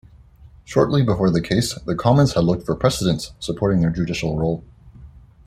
Shortly before the case, the Commons had looked for precedents supporting their judicial role.